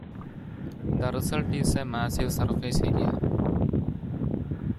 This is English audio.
The result is a massive surface area.